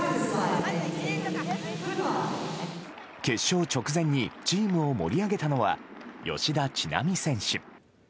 決勝直前にチームを盛り上げたのは吉田知那美選手。